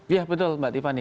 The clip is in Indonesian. iya betul mbak tiffany